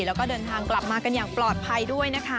แล้วก็เดินทางกลับมากันอย่างปลอดภัยด้วยนะคะ